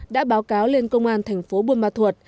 đã báo cáo lên công an thành phố buôn ma thuột